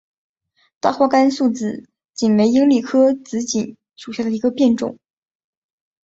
大花甘肃紫堇为罂粟科紫堇属下的一个变种。